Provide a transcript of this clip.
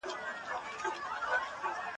د نرمغالي دپاره مي په کڅوڼي کي نوي کتابونه ولیدل.